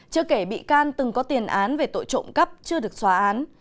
chưa kể bị can từng có tiền án về tội trộm cắp chưa được xóa án